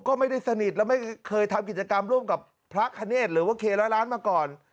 ก็ไม่ได้สนิทและไม่เคยทำกิจกรรมร่วมกับพระคเนธหรือว่าเคร้อยล้านมาก่อน